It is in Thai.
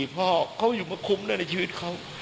พ่อเขาอยู่มาคุ้มด้วยในชีวิตเขา